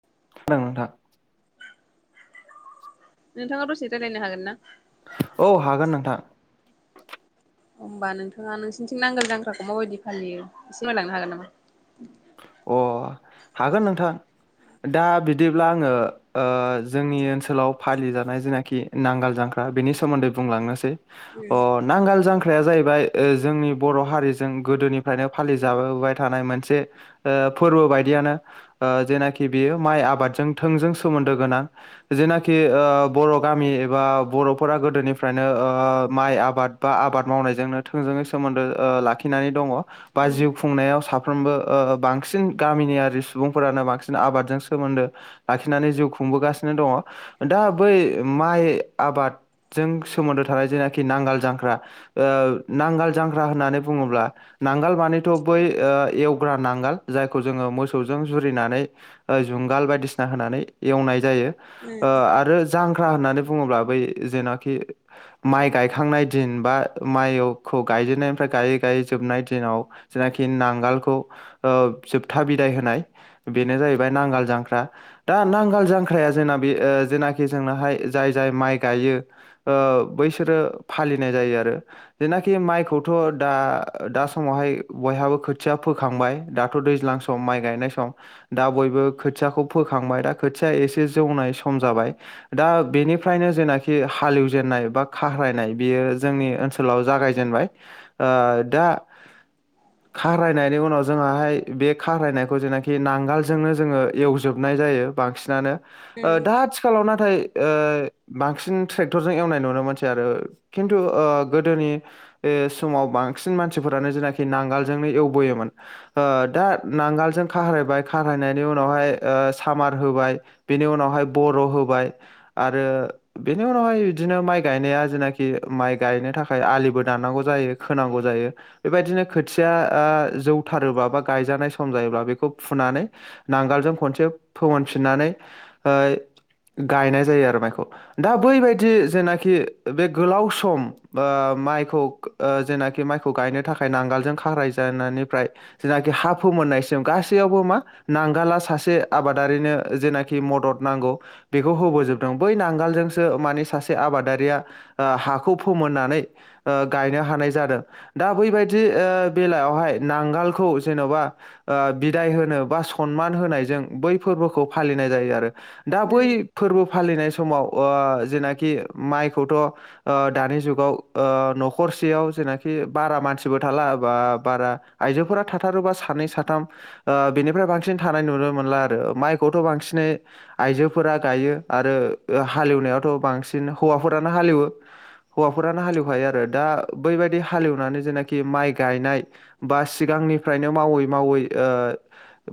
[unintelligible] [unintelligible] नोंथाङा दसे रायज्लायनो हागोन ना। औ हागोन नोंथां। होमबा नोंथाङा नोंसिनिथिं नांगोल जांख्राखौ माबायदि फालियो [unintelligible] हागोन नामा। अ हागोन नोंथां दा बिदिब्ला आङो ओ जोंनि ओनसोलाव फालिजानाय जेनाखि नांगाल जांख्रा बेनि सोमोन्दै बुंलांनोसै। अ नांगाल जां [unintelligible] जाहैबाय जोंनि बर' हारिजों गोदोनिफ्रायनो फालिजाबोबाय थानाय मोनसे ओ फोरबो बायदियानो ओ जेनाखि बेयो माइ आबादजों थोंजों सोमोन्दो गोनां जेनाखि ओ बर' गामि एबा बर'फोरा गोदोनिफ्रायनो ओ माइ आबाद बा आबाद मावनायजोंनो थोंजोङै सोमोन्दो ओ लाखिनानै दङ बा जिउ खुंनायाव [unintelligible] [unintelligible] ओ बांसिन गामिनियारि सुबुंफोरानो बांसिन आबादजों सोमोन्दो ओ ओ ओ बांसिन गामिनिआरि सुबुंफोरानो बांसिन आबादजों सोमोन्दो लाखिनानै जिउ खुंबोगासिनो दङ दा बै माइ आबादजों सोमोन्दो थानाय जेनाखि नांगाल जांख्रा ओ नांगाल जांख्रा होननानै बुङोब्ला नांगाल मानिथ' बै फोरा नांगाल जायखौ जोङो मोसौजों जुरिनानै जुंगाल बायदिसिना होनानै एवनाय जायो। ओ आरो जांख्रा होननानै बुङोब्ला बै जेनाखि माइ गायखांनाय दिन बा माइअखौ गायजेननायनिफ्राय गायै गायै जोबनाय दिनाव जेनाखि नांगालखौ ओ जोबथा बिदाय होनाय बेनो जाहैबाय नांगाल जांख्रा दा नांगाल जांख्राया जोंना बे जेनाखि जोंनोहाय जाय जाय माइ गायो ओ बैसोरो फालिनाय जायो आरो जेनाखि माइखौथ' दा दा समावहाय बयहाबो खोथिया फो फोखांबाय दाथ' दैज्लां सम माइ गायनाय सम दा बयबो खोथियाखौ फोखांबाय दा खोथिया एसे जौनाय सम जाबाय दा बेनिफ्रायनो जेनाखि हालेवजेननाय बा खारायनाय बियो जोंनि ओनसोलाव जागायजेनबाय ओ दा खाराय उनाव जोंङा हाय बे खारायनायखौ जेनाखि नांगोलजोंनो जोङो एवजोबनाय जायो बांसिनानो। ओ दा आथिखालाव नाथाय ओ बांसिन ट्रेक्टरजों एवनाय नुनो मोनसै आरो खिन्थु ओ गोदोनि ओ समाव बांसिन मानसिफोरानो जेनाखि नांगोलजोंनो एव [unintelligible] ओ दा नांगालजों खारायबाय खारायनायनि उनावहाय ओ सामार होबाय बेनि उनावहाय बर' होबाय आरो बेनि उनावहाय बिदिनो माइ गायनाया जेनाखि माइ गायनो थाखाय आलिबो दानांगौ जायो खोनांगौ जायो बेबायदिनो खोथिया ओ। जौथारोबा बा गायजानाय सम जायोब्ला बेखौ फुनानै नांगोलजों खनसे फोमोनफिननानै ओ [unintelligible] गायनाय जायो आरो माइखौ दा बैबायदि जेनाखि [unintelligible] बे गोलाव सम ओ मायखौ ओ जेंनानि माइखौ गायनो थाखाय नांगोलजों खाराय [unintelligible] जेनाखि हा फु मोननायसिम गासैयावबो मा नांगाला सासे आबादारिनो जेनाखि मदद नांगौ बेखौ होबोजोबदों बै नांगाल जोंसो मानिे सासे आबादारिया ओ हाखौ फोमोननानै ओ गायनो हानाय जादों दा बैबायदि ओ बेलायावहाय नांगोलखौ जेन'बा ओ बिदाय होनो बा सनमान होनायजों बै फोरबोखौ फालिनाय जायो आरो दा बै फोरबो फालिनाय समाव ओ जेनाखि माइखौथ' ओ दानि जुगाव ओ न'खरसेयाव जेनाखि बारा मानसिबो थाला बा-बारा आइजोफोरा थाथारोबा सानै साथाम ओ बेनिफ्राय बांसिन थानाय नुनो मोनला आरो माइखौथ' बांसिनै आइजोफोरा गायो आरो हालेवनायावथ' बांसिन हौवाफोरानो हालेवो हौवाफोरानो हालेवखायो आरो दा बैबायदि हालेवनानै जेनाखि माइ गायनाय बा सिगांनिफ्रायनो मावै मावै ओ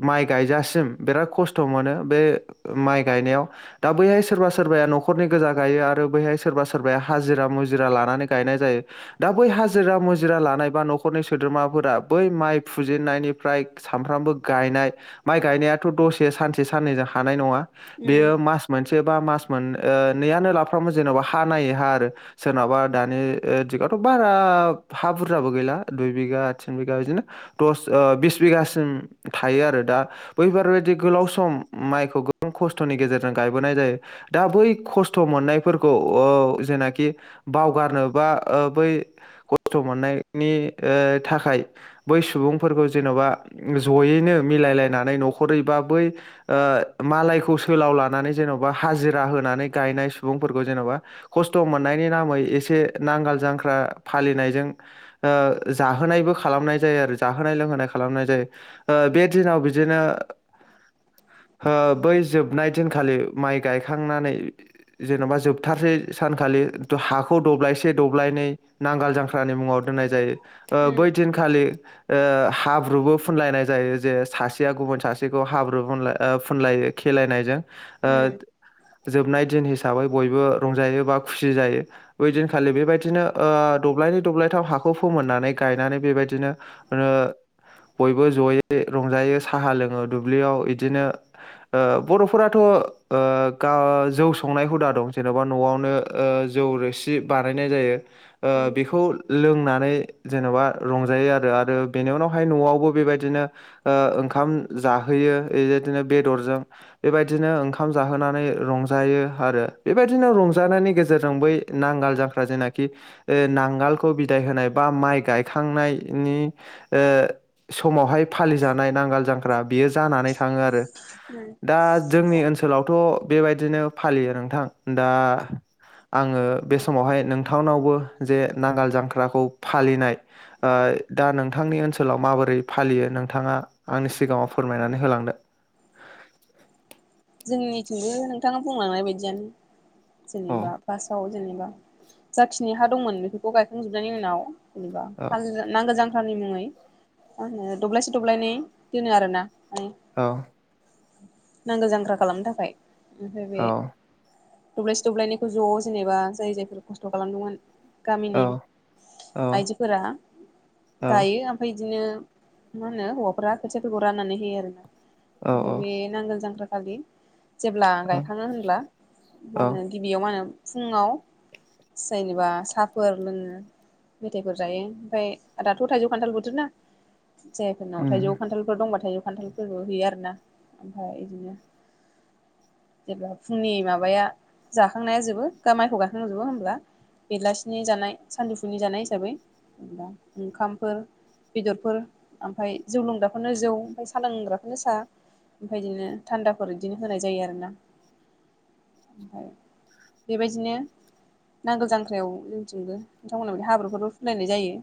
माइ गायजासिम बिराद खस्थ' मोनो बे माइ गायनायाव दा बैहाय सोरबा सोरबाया न'खरनि गोजा गायो आरो बैहाय सोरबा सोरबाया हाजिरा मुजिरा लानानै गायनाय जायो दा बै हाजिरा मुजिरा लानायबा न'खरनि सोद्रोमाफोरा बै माइ फुजेननायनि फ्राय सानफ्रोमबो गायनाय माय गायनायाथ' दसे सानसे साननैजों हानाय नंङा बेयो मास मोनसेबा मास मोन ओ नैयानो लाफ्रामोन जेन'बा हा नायै हा आरो सोरनाबा दानि ओ दिगावथ' बारा हा बुरजाबो गैला दुइ बिघा थिन बिगा बिदिनो दस ओ बिस बिगासिम थायो आरो दा बैफोरबायदि गोलाव सम माइखौ गोबां खस्थ'नि गेजेरजों गायबोनाय जायो दा बै खस्थ' मोननायफोरखौ औ जेनाखि बावगारनोबा ओ बै खस्थ' मोननायनि ओ थाखाय बै सुबुंफोरखौ जेन'बा जयैनो मिलायलायनानै न'खरैबा बै ओ मालायखौ सोलाव लानानै जेन'बा हाजिरा होनानै गायनाय सुबुंफोरखौ जेन'बा खस्थ' मोननायनि नामै एसे नांगोल जांख्रा फालिनायजों ओ जाहोनायबो खालामनाय जायो आरो जाहोनाय लोंहोनाय खालामनाय जायो ओ बे दिनाव बिदिनो हो बै जोबनाय दिनखालि माइ गायखांनानै जेन'बा जोबथारसै सानखालि हाखौ दब्लायसे दब्लायनै नांगाल जांख्रानि मुङाव दोननाय जायो। ओ बै दिनखालि ओ हाब्रुबो फुनलायनाय जायो जे सासेया गुबुन सासेखौ हाब्रु फुनलाय ओ फुनलाय लायो खेलायनायजों ओ जोबनाय दिन हिसाबै बयबो रंजायो बा खुसि जायो बै दिनखालि बेबायदिनो ओ दब्लायनै दब्लायथाम हाखौ फोमोननानै गायनानै बेबायदिनो बयबो जयै रंजायो साहा लोङो दुब्लियाव इदिनो ओ बर'फोराथ' ओ गा जौ संनाय हुदा दं जेन'बा न'आवनो ओ जौ रोसि बानायनाय जायो। बेखौ लोंनानै जेन'बा रंजायो आरो आरो बेनि उनावहाय न'आवबो बेबायदिनो ओ ओंखाम जाहोयो बेबायदिनो बेदरजों बेबायदिनो ओंखाम जाहोनानै रंजायो आरो बेबायदिनो रंजानायनि गेजेरजों बै नांगाल जफ्रा जेनाखि नांगालखौ बिदाय होनाय बा माइ गायखांनायनि ओ समावहाय फालि जानाय नांगाल‌ जांख ख्रा बियो जानानै थाङो आरो दा जोंनि ओनसोलावथ' बेबायदिनो फालियो नोंथां दा आङो बे समावहाय नोंथांनावबो जे नांगाल जांख्राखौ फालिनाय ओ दा नोंथांनि ओनसोलाव माबोरै फालियो नोंथाङा आंनि सिगाङाव फोरमायनानै होलांदो। जोंनिथिंबो नोंथाङा बुंलांनाय बायदियानो। औ जेनेबा फार्स्टआव जेनेबा जाखिनि हा दंमोन बेफोरखौ गायखांजोबनायनि उनाव जेनेबा औ नांगोल जांख्रानि मुङै मा होनो दब्लायसे दब्लायनै दोनो आरोना। माने औ। नांगोल जां ख्रा खालामनो थाखाय। ओमफाय बेे औ दब्लायसे दब्लायनायखौ ज' जेनेबा जाय जायफोर खस्थ' खालामदोंमोन औ गामिनि आइजोफोरा औ गायो ओमफ्राय बिदिनो मा होनो हौवाफोरा खोथियाखौ राननानै होयो आरो ना औ ओमफ्राय बे नांगोल जांग्रा खालि जेब्ला औ गायखाङो होनब्ला मा औ होनो गिबियाव मा होनो फुङाव जेनेबा साहाफोर लोङो मेथायाइफोर जायो ओमफाय दाथ' थाइजौ खान्थाल बोथोरना? जायफोरनाव उम थाइजौ खान्थालफोर दंबा थाइ खान्थालफोरबो हैयो आरोना ओमफ्राय बिदिनो जेब्ला फुंनि माबाया जाखांनायाजोबो बा माइखौ गायखांजोबो अब्ला बेलासिनि जानाय सानजफुनि जानाय हिसाबै जेनबा ओंखामफोर बेदरफोर। ओमफफ्राय जौ लोंग्राखौनो जौ ओमफ्राय साहा लोंग्राफोरनो साहा ओमफाय बिदिनो। थान्दाफोर इदिनो होनाय जायो आरोना ओमफफ्राय बेबायदिनो नांगोल जांख्रायाव जोंथिंबो नोंथांमोनहा बदि हाब्रुफोरबो फुलायनाय जायोओम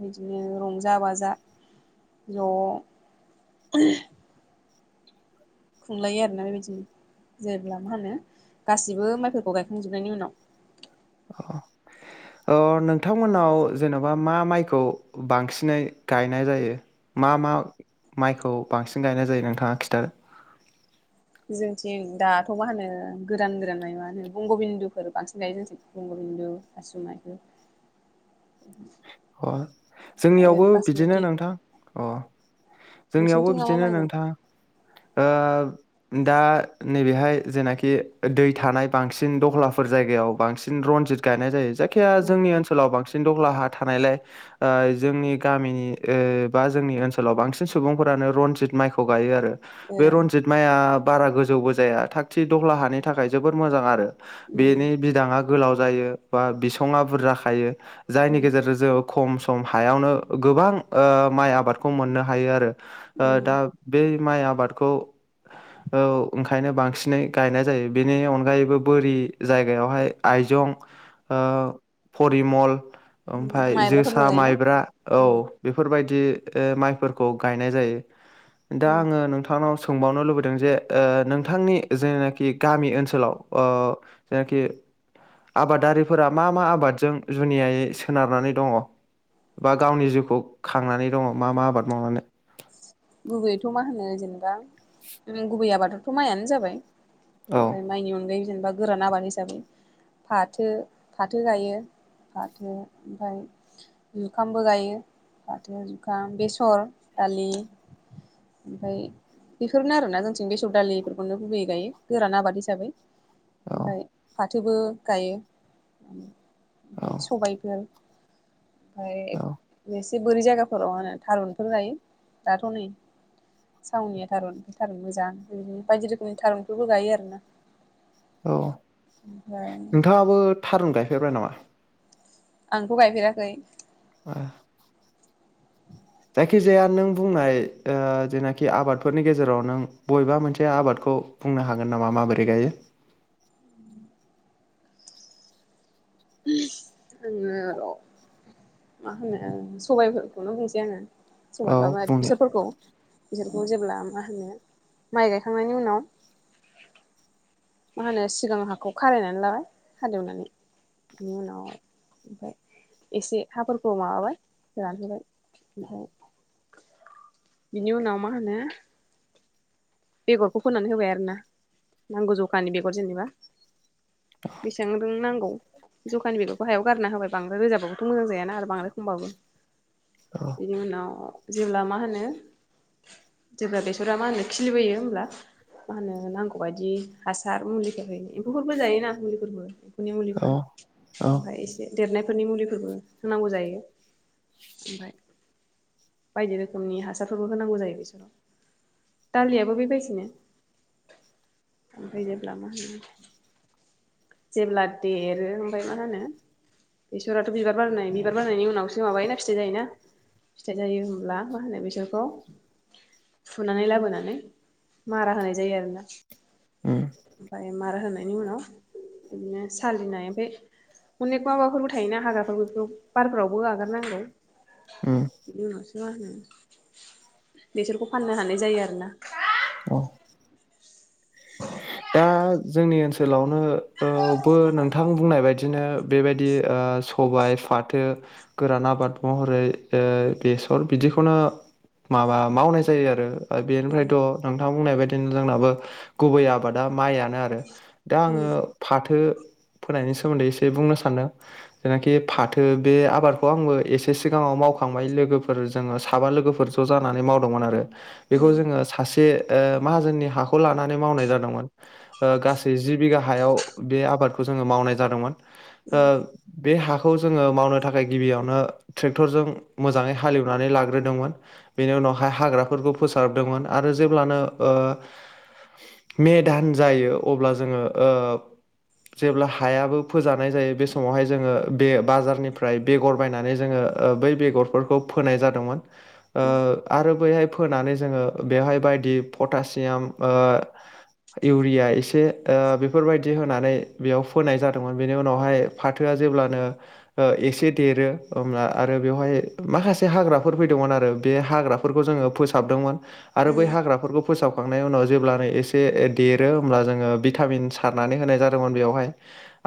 बिदिनो रंजा बाजा ज' खुंलायो आरोना बेबायदिनो जेब्ला मा होनो गासिबो माइफोरखौ गायखांजोबनायनि उनाव। अ अ नोंथांमोननाव जेन'बा मा माइखौ बांसिनै गायनाय जायो मा मा माइखौ बांसिन गायनाय जायो नोंथाङा खिथा? जोंथिं दाथ' मा होनो गोदान गोदान मा होनो बंगबिन्दुफोर बांसिन गायो जोंथिं बंगबिन्दु आसु मायफोर। अ जोंनियावबो बिदिनो नोंथां अ जोंनियावबो नोंसिनिथिं मा मा बिदिनो माइ गायो? नोंथां। दा नैबेहाय जेनाखि दै थानाय बांसिन दलहाफोर जायगायाव बांसिन रनजित गायनाय जायो। जायखिया जोंनि ओनसोलाव बांसिन दहला हा थानायलाय ओ-जोंनि गामिनि ओ-बा जोंनि ओनसोलाव बांसिन सुबुंफोरानो रनजित माइखौ गायो आरो। ए बे रनजिद माया। बारा गोजौबो जाया थाख थिख दलहा हानि थाखाय जोबोद मोजां आरो। उम बेनि बिदाङा गोलाव। जायो बा बिसंङा बुरजा खायो। जायनि उम गेजेर खम सम हायावनो गोबां ओ-माइ आबादखौ मोननो हायो आरो। ओ-दा उम बे माइ आबादखौ ओ-ओंखायनो बांसिनै गायनाय जायो बेनि अनगायैबो बोरि जायगायावहाय आइजं ओ-फरिमल। ओमफाय माइब्राफोरबो जोसा गायोना? माइब्रा औ उम बेफोर बायदि। बिदि माइफोरखौ गायनाय जायो। दा उम आङो नोंथांनाव स सोंबावनो लुबैदों जे ओ- नोंथांनि जेनाखि गामि ओनसोलाव ओ-जेनाखि आबादारिफोरा मा मा आबादजों जुनियायै? सोनारनानै दङ बा गावनि जिउखौ खांनानै दङ मा मा आबाद मावनानै? गुबैयैथ' मा होनो जेनेबा गुबै आबादावथ' माइआनो जाबाय। औ ओफ्राय माइनि अनगायैबो जेनेबा। गोरान आबाद हिसाबै फाथो फाथो गायो फाथो ओमफाय जुखामबो गायो फाथो, जुखाम, बेसर। दालि ओमफ्राय बेफोरनो आरोना जोंथिं बेसर दालि बेफोरखौनो गुबैयै गायो गोरान आबाद हिसाबै। औ ओमफाय पाथ फाथोबो गायो। औ ओमफाय सबायफोर। ओफाय। एसे बोरै जायगाफोराव आरो थारुनफोर गायो। दाथ' नै सावनिया थारुन थारुन मोजां बिदिनो बायदि रोखोमनि थारुनफोरबो गायो आरोना। औ ओमफ्राय नोंथाङाबो थारुन गायो। फेरबाय नामा। आंथ गायफेराखै। ए। जायखिजाया नों बुंनाय ओ जेनाखि आबादफोरनि गेजेराव नों बबेबा मोनसे आबादखौ बुंनो हागोन नामा माबोरै गायो। आङो' मा होनो सबायफोरखौनो बुंसै आङो। औ [unintelligible] बुंनो बिसोरखौ जेब्ला मा होनो माइ गायखांनायनि उनाव मा होनो सिगां हाखौ खारायनानै लाबाय हालेवनानै बिनि उनाव ओमफ्राय एसे हाफोरखौ माबाबाय रान होबाय ओमफ्राय बिनि उनाव मा होनो बेगरखौ फोनानै होबाय आरोना नांगौ ज जखानानि बेगर जेनेबा। बेसेबां नोंनो नांगौ जखानि बेगरखौ हायाव गारना होबाय बांद्राय रोजाबाबोथ' मोजां जायाना आरो बांद्राय खमबाबो। औ बिनि उनाव। जेब्ला मा होनो। जेब्ला बेसरा मा होनो खिलिबोयो होमब्ला मा होनो नांगौबायदि हासार मुलि ओरैनो एम्फौफोरबो जायोना मुलिफोरबो एम्फौनि औ मुलिफोर औ ओमफ्राय एसे देरनायफोरनि मुलिफोरबो होनांगौ जायो ओमफ्राय बायदि रोखोमनि हासारफोरबो होनांगौ जायो बेसोराव दालियाबो बेबायदिनो ओमफ्राय जेब्ला मा होनो जेब्ला देरो ओमफाय मा होनो बेसराथ' बिबार बारनाय बिबार बारनायनि उनावसो माबायोना फिथाइ जायोना फिथाइ जायो होनब्ला मा होनो बेसरखौ फुनानै लाबोनानै मारा होनाय जायो आरोना ओम ओ मारा होनायनि उनाव बिदिनो सालिनाय ओमफ्राय अनेक माबाफोरबो थायोना हाग्राफोर बेफोर बारफोरावबो आगारनांगौ ओम बिनि मा उनावसो होनो बेसरखौ फाननो हानाय जायो आरोना औ दा जोंनि ओनसोलावनो बोव बो नोंथां बुंनाय बायदिनो बेबायदि ओ सबाय फाथो गोरान आबाद महरै ओ बेसर बिदिखौनो माबा मावनाय जायो आरो ओ बेनिफ्रायथ' नों नोंथा बुंनाय बायदिनो जोंनाबो गुबै आबादा माइयनो आरो दा आङो उम फाथो फोनायनि सोमोन्दै एसे बुंनो सानोदों जेनाखि फाथो बे आबादखौ आंबो एसे सिगाङाव मावखांबाय लोगोफोर जोङो साबा लोगोफोर ज' जानानै मावदोंमोन आरो बेखौ जोङो सासे ओ माहाजोननि हाखौ ला नानै मावनाय जादोंमोन ओ गासै जि बिघा हायाव बे आबादखौ जोङो मावनाय जादोंमोन ओ बे हा खौ जोङो मावनो थाखाय गिबियावनो ट्रेक्टरजों मोजाङै हालेवनानै लाग्रोदोंमोन बेनि उनावहाय हाग्राफोरखौ फोसाबदोंमोन आरो जेब्लानो ओ मे धान जायो अब्ला जोङो ओ जेब्ला हायाबो फोजानाय जायो बे समावहाय जोङो बे बाजारनिफ्राय बेगर बायनानै जोङो ओ बै बेगरफोरखौ फोनाय जादोंमोन ओ आरो बैहाय फोनानै जोङो बेवहाय बायदि फटासियाम ओ इउरिया एसे ओ बेफोरबायदि होनानै बेयाव फोनाय जादोंमोन बेनि उनावहाय फाथोआ जेब्लानो ओ एसे देरो होमब्ला आरो बेवहाय माखासे हाग्राफोर फैदोंमोन आरो बे हाग्राफोरखौ जोङो फोसाबदोंमोन। आरो बै उम हाग्राफोरखौ फोसाब खांनाय उनाव जेब्लानो एस से ऐ देरो होमब्ला जोङो भिटामिन सारनानै होनाय जादोंमोन बेयावहाय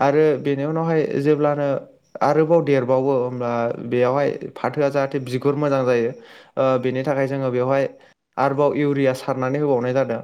आरो बेनि उनावहाय जेब्लानो आरोबाव देरबावो होमब्ला बेयावहाय फाथोआ जाहाथे बिगुर मोजां जायो ओ बेनि थाखाय जोङो बेवहाय आरोबाव इउरिया सारनानै होबावनाय जादों।